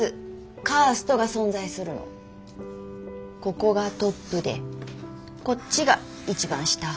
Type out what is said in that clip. ここがトップでこっちが一番下。